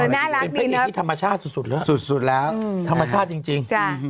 น่ารักดีนะครับสุดสุดแล้วธรรมชาติจริง